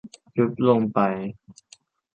ยุบลงไป